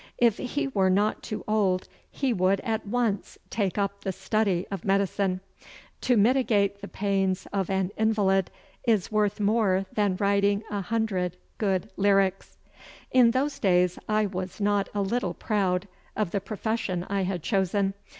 If he were not too old he would at once take up the study of medicine. To mitigate the pains of an invalid is worth more than writing a hundred good lyrics! In those days I was not a little proud of the profession I had chosen.